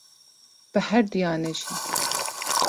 Bi herduyan e jî.